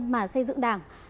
mà xây dựng đảng